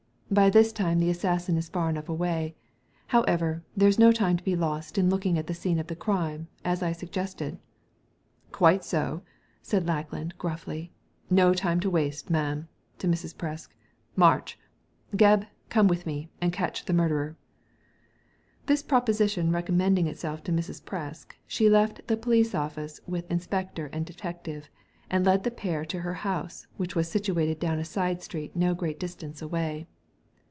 '* By this time the assassin is far enough away. However, there's no time to be lost in looking at the scene of the crime, as I suggested" " Quite so," said Lackland, grufBy. " No time to waste, ma'am" — ^to Mrs. Presk. " March I Gebb, come with me and catch the murderer 1 " This proposition recommending itself to Mrs. Presk, she left the police office with inspector and detective, and led the pair to her house, which was situated down a side street no great distance away.